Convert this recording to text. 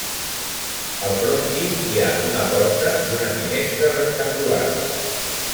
Al frontis hi ha una porta i una finestra rectangulars.